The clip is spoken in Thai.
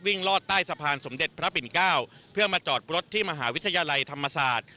ลอดใต้สะพานสมเด็จพระปิ่นเก้าเพื่อมาจอดรถที่มหาวิทยาลัยธรรมศาสตร์